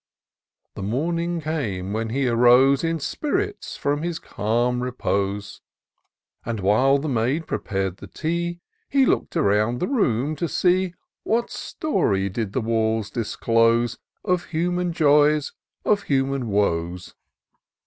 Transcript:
The morning came, when he arose In spirits from his calm repose ; And while the maid prepar'd the tea, He look'd around the room to see What story did the walls disclose Of human joys, of human woes.